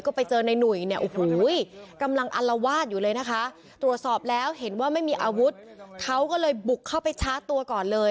ก็ไปเจอในนุ่ยเนี่ย